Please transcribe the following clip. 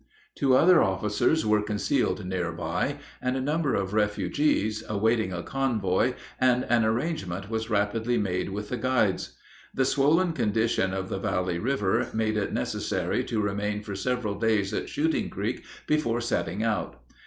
] Two other officers were concealed near by, and a number of refugees, awaiting a convoy, and an arrangement was rapidly made with the guides. The swollen condition of the Valley River made it necessary to remain for several days at Shooting Creek before setting out.